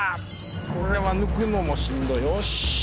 これは抜くのもしんどいおっしゃ！